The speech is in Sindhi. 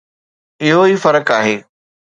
اهو ئي فرق آهي.